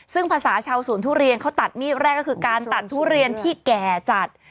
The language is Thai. ซึ่งภาษาชาวสวนทุเรียนเขาตัดมีดแรกก็คือการตัดทุเรียนที่แก่จัด